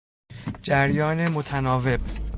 جریان متناوب